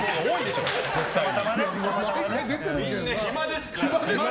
みんな暇ですから。